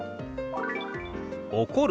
「怒る」。